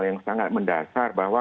yang sangat mendasar bahwa